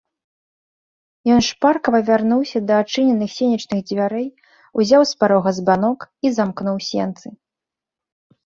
Ён шпарка павярнуўся да адчыненых сенечных дзвярэй, узяў з парога збанок і замкнуў сенцы.